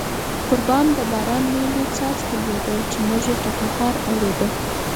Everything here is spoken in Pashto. پر بام د باران لوی لوی څاڅکي لوېدل، موږ یې ټکهار اورېده.